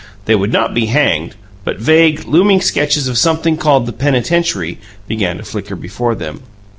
They would not be hanged; but vague, looming sketches of something called the penitentiary began to flicker before them.